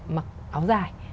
mặc áo dài